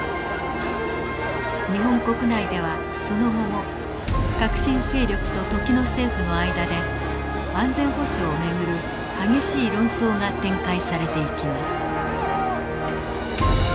日本国内ではその後も革新勢力と時の政府の間で安全保障を巡る激しい論争が展開されていきます。